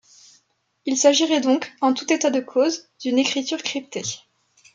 Il s’agirait donc, en tout état de cause, d’une écriture cryptée.